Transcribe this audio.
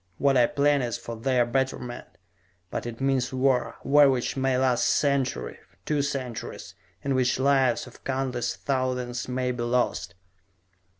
What I plan is for their betterment. But it means war, war which may last a century, two centuries, in which lives of countless thousands may be lost."